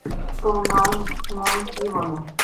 তোমার মন কী বলে?